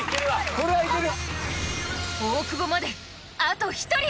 これはいける！